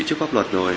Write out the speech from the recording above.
trước pháp luật rồi